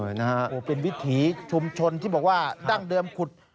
นะฮะโอ้เป็นวิถีชุมชนที่บอกว่าดั้งเดิมขุด